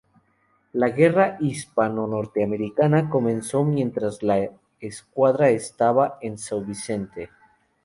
La Guerra Hispano-Norteamericana comenzó mientras la escuadra estaba en Sao Vicente.